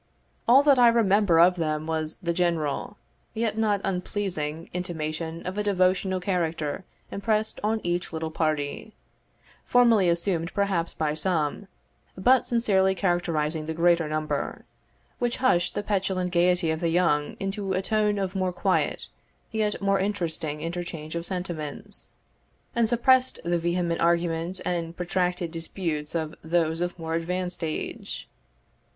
All that I remember of them was the general, yet not unpleasing, intimation of a devotional character impressed on each little party formally assumed perhaps by some, but sincerely characterising the greater number which hushed the petulant gaiety of the young into a tone of more quiet, yet more interesting, interchange of sentiments, and suppressed the vehement argument and protracted disputes of those of more advanced age.